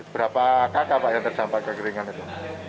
berapa kakak pak yang terdampak kekeringan itu